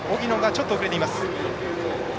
ちょっと遅れています。